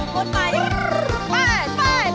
ไปไปไป